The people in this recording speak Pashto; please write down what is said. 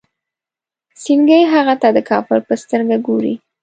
سنډکي هغه ته د کافر په سترګه ګوري.